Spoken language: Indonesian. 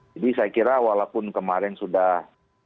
jadi saya kira walaupun kemarin sudah